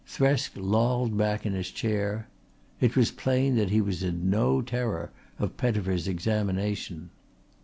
Thresk lolled back in his chair. It was plain that he was in no terror of Pettifer's examination.